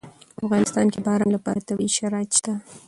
په افغانستان کې د باران لپاره طبیعي شرایط شته.